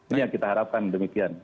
ini yang kita harapkan demikian